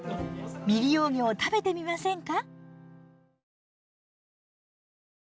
未利用魚を食べてみませんか？